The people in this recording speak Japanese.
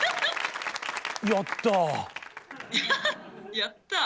やったぁ！